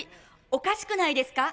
おかしくないですか。